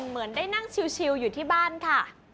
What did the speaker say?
เหมือนได้นั่งชิวอยู่ที่บ้านค่ะ